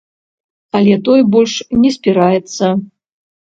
Але той больш не спіраецца.